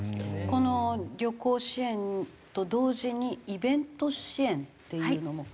この旅行支援と同時にイベント支援っていうのも。